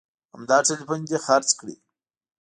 همدا ټلیفون دې خرڅ کړي